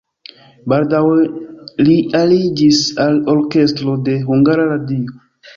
Baldaŭe li aliĝis al orkestro de Hungara Radio.